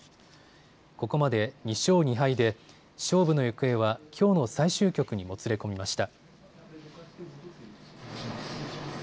ここまで２勝２敗で勝負の行方はきょうの最終局にもつれ込みました。